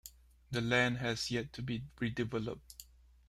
The land has yet to be redeveloped.